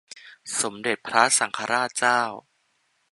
สมเด็จพระสังฆราชเจ้า